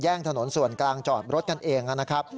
ถนนส่วนกลางจอดรถกันเองนะครับ